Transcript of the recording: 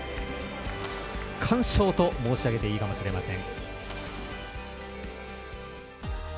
完勝と申し上げていいかもしれません。